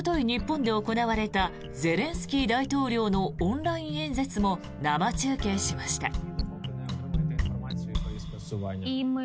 日本で行われたゼレンスキー大統領のオンライン演説も生中継しました。